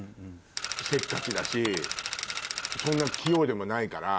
せっかちだしそんな器用でもないから。